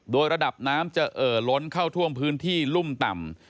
โดยระดับน้ำจะเอ่อล้นเข้าท่วมพื้นที่รุ่มต่ำ